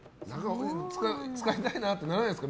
使いたいなってならないんですか？